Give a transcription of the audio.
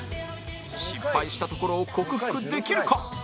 失敗したところを克服できるか？